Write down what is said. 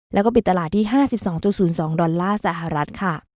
แล้วก็ปิดตลาดที่๕๒๐๒ดอลลาร์สหรัฐค่ะ